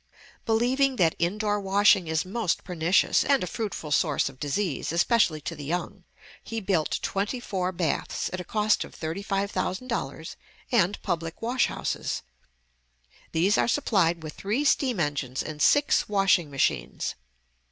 Believing that "indoor washing is most pernicious, and a fruitful source of disease, especially to the young," he built twenty four baths, at a cost of $35,000, and public wash houses. These are supplied with three steam engines and six washing machines.